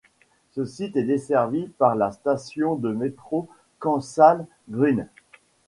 Ce site est desservi par la station de métro Kensal Green.